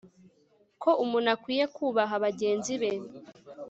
Ko umuntu akwiye kubaha bagenzi be